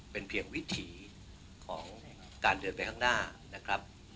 เป็นเพียงวิถีของการเดินไปข้างหน้านะครับ